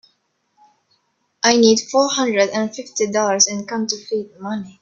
I need four hundred and fifty dollars in counterfeit money.